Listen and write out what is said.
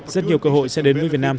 rất nhiều cơ hội sẽ đến với việt nam